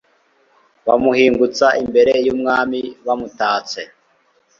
Bamuhingutsa imbere y’umwami bamutatse